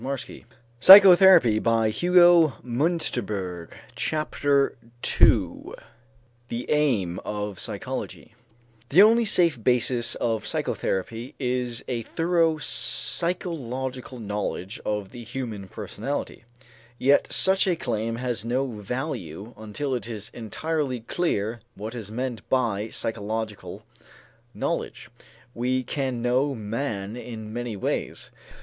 PART I THE PSYCHOLOGICAL BASIS OF PSYCHOTHERAPY II THE AIM OF PSYCHOLOGY The only safe basis of psychotherapy is a thorough psychological knowledge of the human personality. Yet such a claim has no value until it is entirely clear what is meant by psychological knowledge. We can know man in many ways.